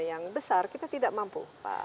yang besar kita tidak mampu